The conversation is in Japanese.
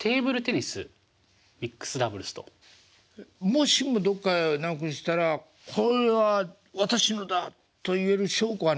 もしもどっかなくしたら「これは私のだ」と言える証拠はないわけですね